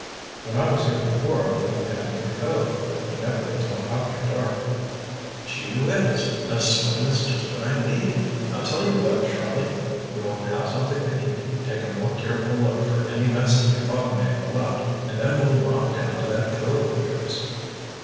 "When I was here before we went down to the cove—but never until after dark." "Gee whiz! A swim is just what I need. I tell you what, Charlie! We'll have something to eat, take a more careful look for any message your father may have left and then we'll romp down to that cove of yours."